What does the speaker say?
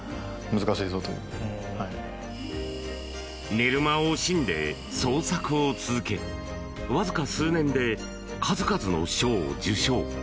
寝る間を惜しんで創作を続けわずか数年で、数々の賞を受賞。